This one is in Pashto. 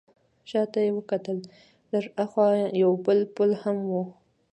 شا ته وکتل، لږ ها خوا یو بل پل هم و.